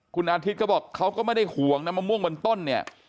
คุณอาทิตย์ก็บอกเขาก็ไม่ได้ห่วงนะมะม่วงบนต้นเนี่ย